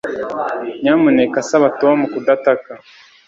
Nyamuneka saba Tom kudataka